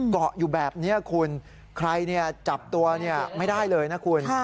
เกาะอยู่แบบนี้คุณใครจับตัวไม่ได้เลยนะคุณ